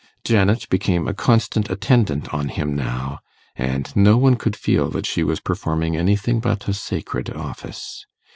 Janet became a constant attendant on him now, and no one could feel that she was performing anything but a sacred office.